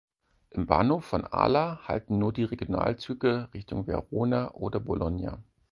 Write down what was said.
Im Bahnhof von Ala halten nur die Regionalzüge Richtung Verona oder Bologna.